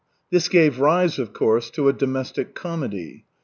This gave rise, of course, to a domestic comedy.